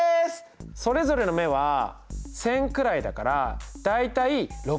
それぞれの目は１０００くらいだから大体６分の１。